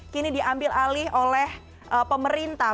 kini diambil alih oleh pemerintah